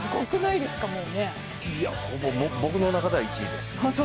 いや、僕の中では１位です。